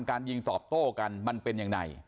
การยิงตอบโต้กันมันเป็นยังไง